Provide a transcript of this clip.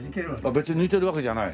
別に抜いてるわけじゃない？